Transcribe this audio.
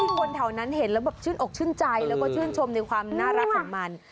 คนแถวนั้นเห็นแล้วแบบชื่นอกชื่นใจแล้วก็ชื่นชมในความน่ารักของมัน